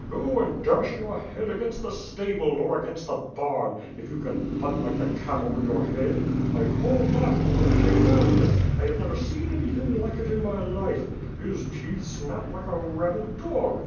"Go and da^^h your head a^rainj^t the stable, or against the bam, if you can butt like the cattle with your head. I call that ra/rin;r madness! 1 have never seen anything like it in my life. 11 is teelh snapi>ed like a rabid dog.